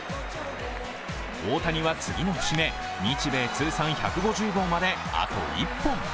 大谷は次の節目、日米通算１５０号まで、あと１本。